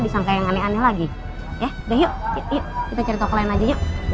disangka yang aneh aneh lagi ya udah yuk kita cari toko lain aja yuk